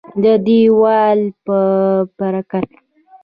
د یووالي په برکت.